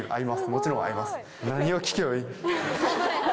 もちろん会います。